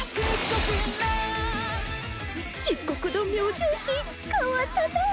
漆黒の明星氏変わったな。